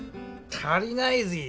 足りないぜぇ！